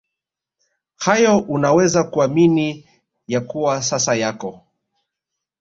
hayo Unaweza kuamini ya kuwa sasa yako